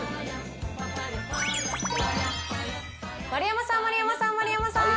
丸山さん、丸山さん、丸山さん。